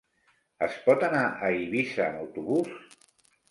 Es pot anar a Eivissa amb autobús?